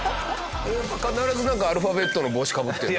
必ずなんかアルファベットの帽子かぶってるんだね。